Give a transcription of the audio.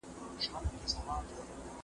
هغه به په کور کې مېلمستيا وکړي.